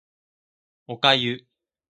お粥